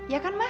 ya kan mak